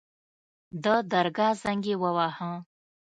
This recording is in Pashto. د درګاه زنګ يې وواهه.